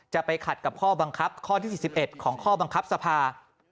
จะไปขัดกับข้อบังคับข้อที่๔๑ของข้อบังคับสภา